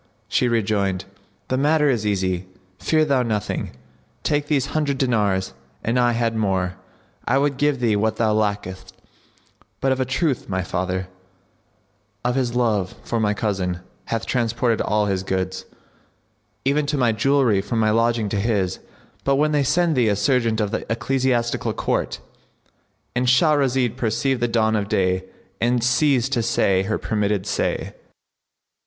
She rejoined, "The matter is easy; fear thou nothing. Take these hundred dinars: an I had more, I would give thee what thou lackest; but of a truth my father, of his love for my cousin, hath transported all his goods, even to my jewellery from my lodging to his. But when they send thee a serjeant of the Ecclesiastical Court,"—And Shahrazad perceived the dawn of day and ceased to say her permitted say.